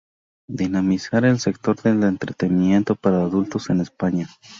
Dinamizar el sector del entretenimiento para adultos en España.